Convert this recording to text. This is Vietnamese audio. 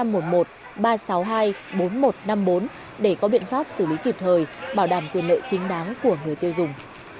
và các pháp xử lý kịp thời bảo đảm quyền lợi chính đáng của người tiêu dùng